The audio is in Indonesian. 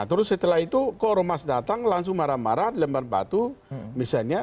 terus setelah itu kok ormas datang langsung marah marah lembar batu misalnya